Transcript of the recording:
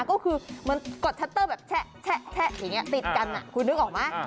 ก็คือกดชัตเตอร์แบบแชะอย่างเนี้ยติดกันอะคุณนึกออกมะ